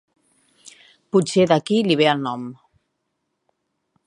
Potser d'aquí li ve el nom.